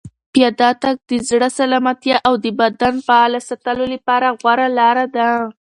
پیاده تګ د زړه سلامتیا او د بدن فعال ساتلو لپاره غوره لاره ده.